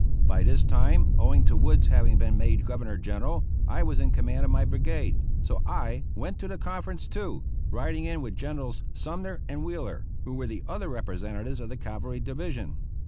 By this time, owing to Wood's having been made Governor General, I was in command of my brigade, so I went to the conference too, riding in with Generals Sumner and Wheeler, who were the other representatives of the cavalry division.